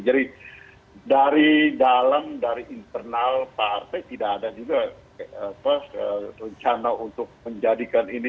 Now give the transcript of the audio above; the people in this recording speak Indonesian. dari dalam dari internal partai tidak ada juga rencana untuk menjadikan ini